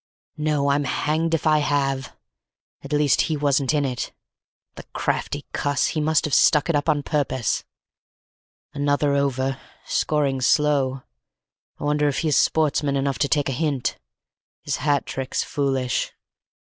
No, I'm hanged if I have; at least he wasn't in it. The crafty cuss, he must have stuck it up on purpose. Another over ... scoring's slow.... I wonder if he's sportsman enough to take a hint? His hat trick's foolish.